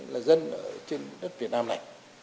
là dân ở trên đất việt nam này